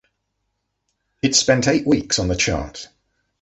It spent eight weeks on the chart.